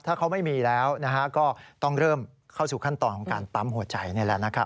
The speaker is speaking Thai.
ถ้าเขาไม่มีแล้วก็ต้องเริ่มเข้าสู่ขั้นตอนของการปั๊มหัวใจนี่แหละนะครับ